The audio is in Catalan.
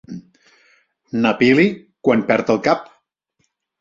Na Pili quan perd el cap.